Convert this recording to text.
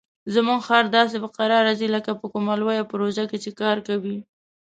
زموږ خر داسې په کراره ځي لکه په کومه لویه پروژه چې کار کوي.